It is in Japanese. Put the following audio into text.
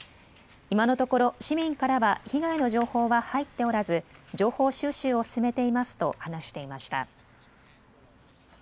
今のところ市民からは被害の情報は入っておらず情報収集を進めていますと話していました。